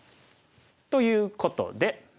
ということで。